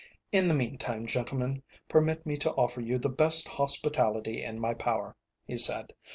"In the meantime, gentlemen, permit me to offer you the best hospitality in my power," he said.